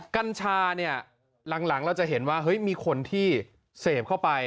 กัญชาเนี่ยหลังเราจะเห็นว่าเฮ้ยมีคนที่เสพเข้าไป